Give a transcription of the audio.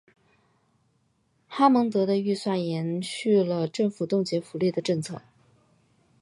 哈蒙德的预算延续了政府冻结福利的政策。